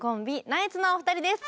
ナイツのお二人です。